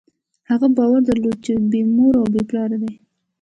هغه باور درلود، چې بېمور او بېپلاره دی.